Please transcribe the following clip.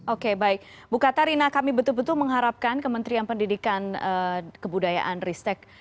oke baik bu katarina kami betul betul mengharapkan kementerian pendidikan kebudayaan ristek